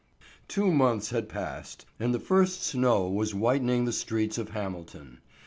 TWO months had passed and the first snow was whitening the streets of Hamilton.